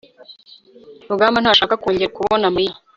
rugamba ntashaka kongera kubona mariya